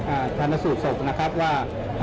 อ่าธนสูตรสกนะครับว่า